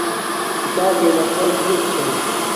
کھیتاپݵ لمبر کسک چھا